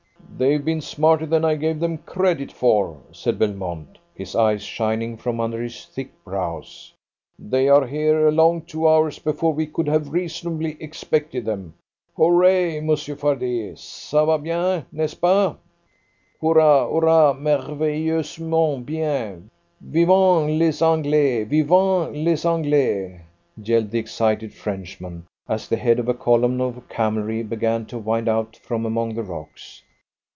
"They've been smarter than I gave them credit for," said Belmont, his eyes shining from under his thick brows. "They are here a long two hours before we could have reasonably expected them. Hurrah, Monsieur Fardet, ça va bien, n'est ce pas?" "Hurrah, hurrah! merveilleusement bien! Vivent les Anglais! Vivent les Anglais!" yelled the excited Frenchman, as the head of a column of camelry began to wind out from among the rocks.